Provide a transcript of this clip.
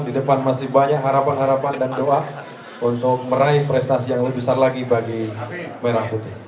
di depan masih banyak harapan harapan dan doa untuk meraih prestasi yang lebih besar lagi bagi merah putih